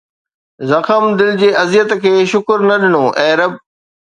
زخم دل جي اذيت کي شڪر نه ڏنو، اي رب